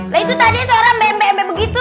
lah itu tadinya suara embe embe begitu